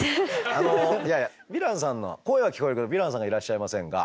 あのいやいやヴィランさんの声は聞こえるけどヴィランさんがいらっしゃいませんが。